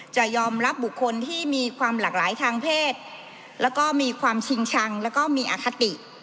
จะยอมรับบุคคลที่มีความหลากหลายทางเพศแล้วก็มีความชิงชังแล้วก็มีอคติ